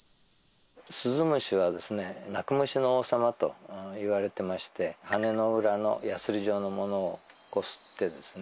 スズムシはですねといわれてまして羽の裏のやすり状のものをこすってですね